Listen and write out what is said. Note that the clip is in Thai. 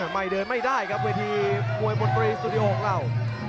ไม่เดินไม่ได้ครับเวทีมวยมนตรีสตูดิโอของเรา